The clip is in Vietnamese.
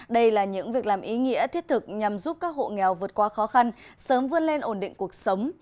đây là những việc làm ý nghĩa thiết thực nhằm giúp các hộ nghèo vượt qua khó khăn sớm vươn lên ổn định cuộc sống